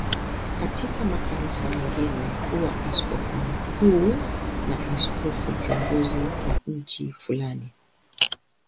Katika makanisa mengine huwa askofu mkuu ni askofu kiongozi wa nchi fulani.